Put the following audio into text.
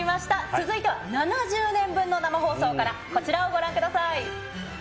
続いては、７０年分の生放送から、こちらをご覧ください。